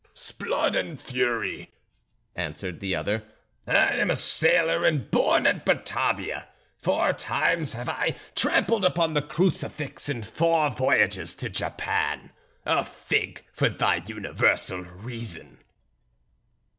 "S'blood and fury!" answered the other; "I am a sailor and born at Batavia. Four times have I trampled upon the crucifix in four voyages to Japan; a fig for thy universal reason."